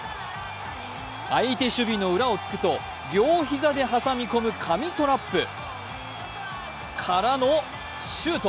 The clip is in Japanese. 相手守備の裏をつくと両ひざで挟み込む神トラップからのシュート。